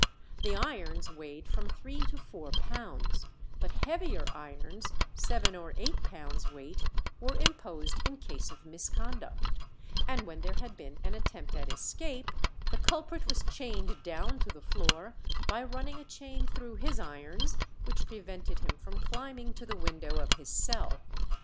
The irons weighed from three to four pounds, but heavier irons, seven or eight pounds' weight, were imposed in case of misconduct; and when there had been an attempt at escape, the culprit was chained down to the floor by running a chain through his irons which prevented him from climbing to the window of his cell.